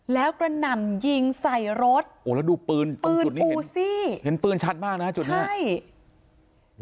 แล้วกระนำยิงใส่รถโอ้แล้วดูปืนปืนอูซี่เห็นปืนชัดมากนะจุดเนี้ยใช่